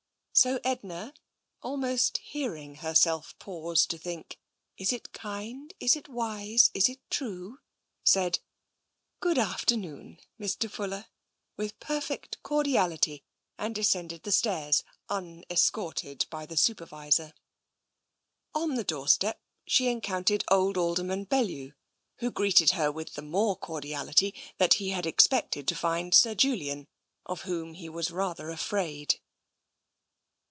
So Edna, al TENSION 187 most hearing herself pause to think, " Is it kind, is it wise, is it true? '* said, " Good afternoon, Mr. Fuller," with perfect cordiality, and descended the stairs, un escorted by the Supervisor. On the doorstep she encountered old Alderman Bel lew, who greeted her with the more cordiality that he had expected to find Sir Julian, of whom he was rather \afraid.